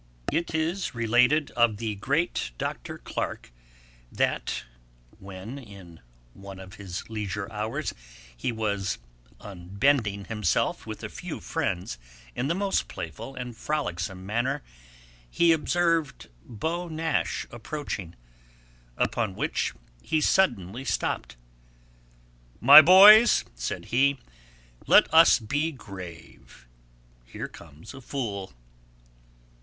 It is related of the great Dr. Clarke, that when in one of his leisure hours he was unbending himself with a few friends in the most playful and frolicksome manner, he observed Beau Nash approaching; upon which he suddenly stopped: 'My boys, (said he,) let us be grave: here comes a fool.'